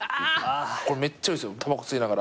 これめっちゃ言うんすよ